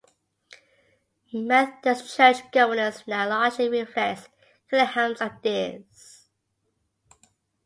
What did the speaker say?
Methodist church governance now largely reflects Kilham's ideas.